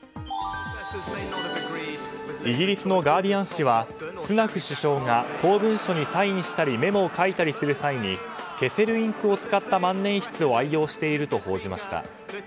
イギリスのガーディアン紙はスナク首相が公文書にサインしたりメモを書いたりする際に消せるインクを使った万年筆を愛用していると報じました。